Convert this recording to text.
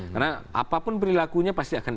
karena apapun perilakunya pasti akan